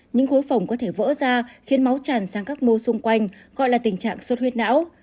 những khối phòng có thể vỡ ra khiến máu tràn sang các mô xung quanh gọi là tình trạng sốt huyết não